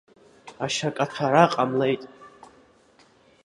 Ашьакаҭәара ҟамлеит.